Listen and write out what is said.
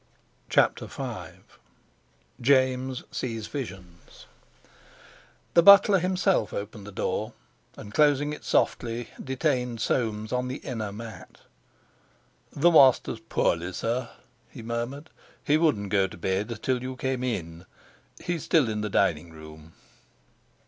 CHAPTER V JAMES SEES VISIONS The butler himself opened the door, and closing it softly, detained Soames on the inner mat. "The master's poorly, sir," he murmured. "He wouldn't go to bed till you came in. He's still in the diningroom."